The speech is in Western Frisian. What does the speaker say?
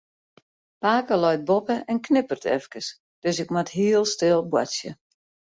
Pake leit boppe en knipperet efkes, dus ik moat heel stil boartsje.